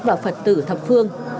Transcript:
và phật tử thập phương